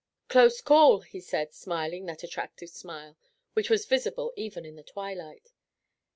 "Close call," he said, smiling that attractive smile, which was visible even in the twilight.